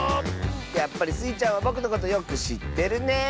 やっぱりスイちゃんはぼくのことよくしってるねえ。